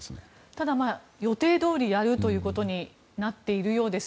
ただ、予定どおりやるということになっているようです。